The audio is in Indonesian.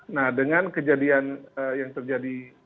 nah dengan kejadian yang terjadi